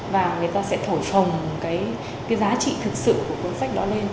và người ta sẽ thổi phồng cái giá trị thực sự của cuốn sách đó lên